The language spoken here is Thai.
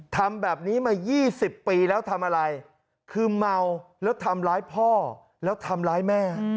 ทำแบบนี้มา๒๐ปีแล้วทำอะไรคือเมาแล้วทำร้ายพ่อแล้วทำร้ายแม่